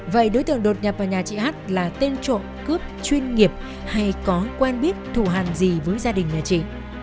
vậy đối tượng đột nhập vào nhà chị h là tên trộm cướp chuyên nghiệp hay có quen biết thù hàn gì với gia đình nhà chị